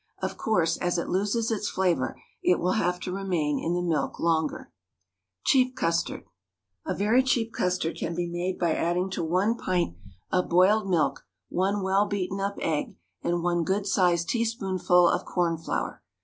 Of course, as it loses its flavour, it will have to remain in the milk longer. CHEAP CUSTARD. A very cheap custard can be made by adding to one pint of boiled milk one well beaten up egg and one good sized teaspoonful of corn flour.